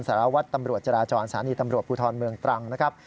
สารวัตรตำรวจจราจรสถานีตำรวจภูทรเมืองตรังนะครับ